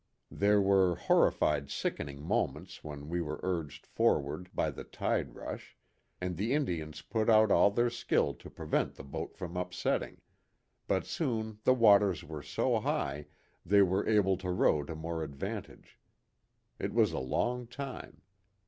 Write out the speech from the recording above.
There were horrid sickening moments when we were urged forward by the tide rush, and the Indians put out all their skill to prevent the boat from upsetting ; but soon the waters were so high they were able to row to more advantage. It was a long time.